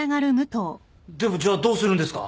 でもじゃあどうするんですか？